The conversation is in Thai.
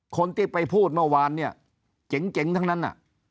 คนที่ไปพูดเมื่อวานเนี่ยเจ๋งทั้งนั้นน่ะ